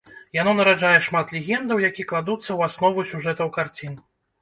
Яно нараджае шмат легендаў, які кладуцца ў аснову сюжэтаў карцін.